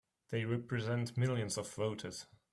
They represent millions of voters!